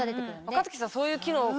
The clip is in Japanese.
若槻さん。